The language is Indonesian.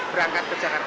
berangkat ke jakarta ini